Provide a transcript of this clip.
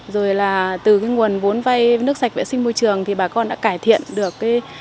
rồi là từ cái nguồn vốn vay nước sạch vệ sinh môi trường thì bà con đã cải thiện được